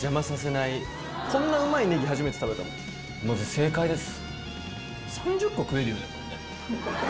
正解です。